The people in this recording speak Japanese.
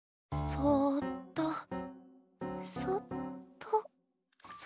そっとそっと。